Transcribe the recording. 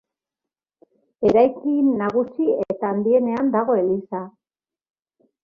Eraikin nagusi eta handienean dago eliza.